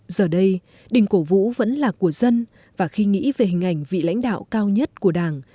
giờ đây đình cổ vũ vẫn là của dân và khi nghĩ về hình ảnh vị lãnh đạo cao nhất của đảng